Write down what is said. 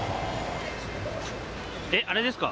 えっあれですか？